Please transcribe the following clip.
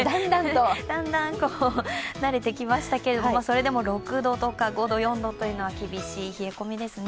だんだん慣れてきましたけれども、それでも６度とか５度、４度というのは厳しい冷え込みですね。